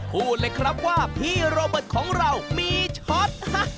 พูดเลยครับว่าพี่โรเบิร์ตของเรามีช็อต